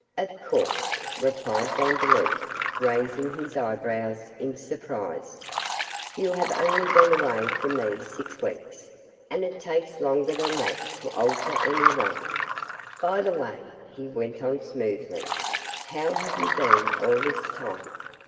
'Of course,' replied Vandeloup, raising his eyebrows in surprise. 'You have only been away from me six weeks, and it takes longer than that to alter any one. By the way,' he went on smoothly, 'how have you been all this time?